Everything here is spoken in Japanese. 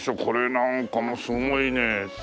これなんかもすごいね。